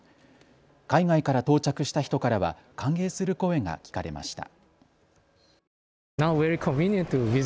海外から到着した人からは歓迎する声が聞かれました。